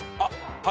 はい。